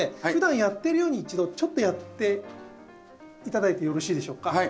ふだんやってるように一度ちょっとやって頂いてよろしいでしょうか？